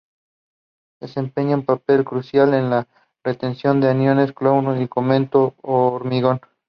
Desempeña un papel crucial en la retención de aniones cloruro en cemento y hormigón.